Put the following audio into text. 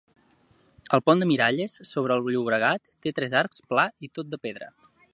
El pont de Miralles, sobre el Llobregat, té tres arcs, pla i tot de pedra.